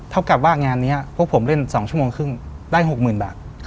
เท่ากับว่างานนี้พวกผมเล่น๒ชั่วโมงครึ่งได้๖๐๐๐บาท